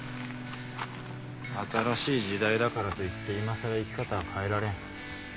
新しい時代だからといって今更生き方は変えられん。